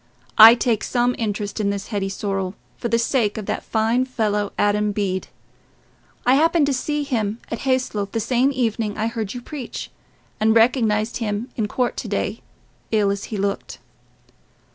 I take some interest in this Hetty Sorrel, for the sake of that fine fellow, Adam Bede. I happened to see him at Hayslope the same evening I heard you preach, and recognized him in court to day, ill as he looked."